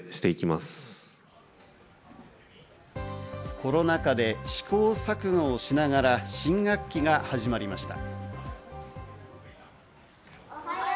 コロナ禍で試行錯誤をしながら新学期が始まりました。